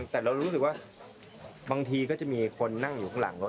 แต่เรารู้สึกว่าบางทีก็จะมีคนนั่งอยู่ข้างหลังรถ